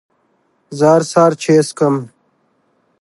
زه هر سهار چای څښم